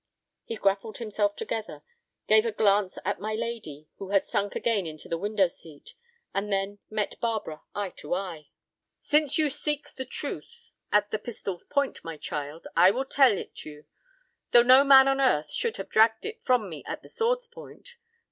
He grappled himself together, gave a glance at my lady, who had sunk again into the window seat, and then met Barbara eye to eye. "Since you seek the truth at the pistol's point, my child, I will tell it you, though no man on earth should have dragged it from me at the sword's point.